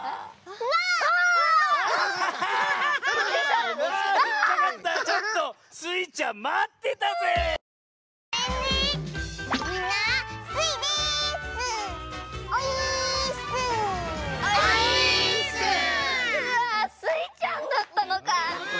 うわスイちゃんだったのかぁ！